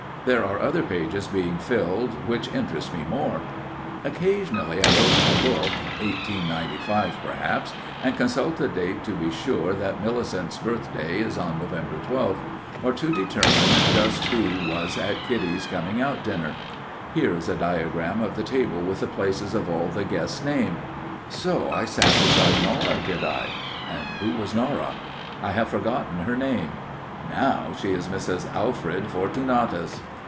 There are other pages being filled which interest me more. Occasionally I open a book, 1895 perhaps, and consult a date to be sure that Millicent's birthday is on November 12th, or to determine just who was at Kitty's coming out dinner. Here is a diagram of the table with the places of all the guests named. (So I sat beside Nora, did I? And who was Nora? I have forgotten her name! Now she is Mrs. Alfred Fortunatus!)